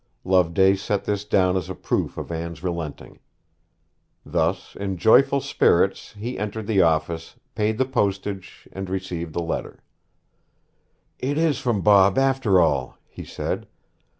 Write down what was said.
Loveday set this down as a proof of Anne's relenting. Thus in joyful spirits he entered the office, paid the postage, and received the letter. 'It is from Bob, after all!' he said.